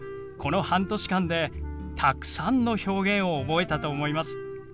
この半年間でたくさんの表現を覚えたと思います。